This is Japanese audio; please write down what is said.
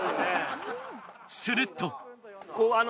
すると。